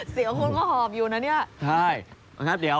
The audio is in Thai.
เสียงคนก็หอบอยู่นะเนี่ย